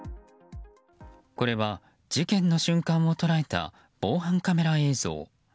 これは、事件の瞬間を捉えた防犯カメラ映像。